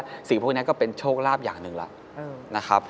สิ่งที่พวกแบบนี้ก็เป็นโชคลาภอย่างหนึ่งแหละ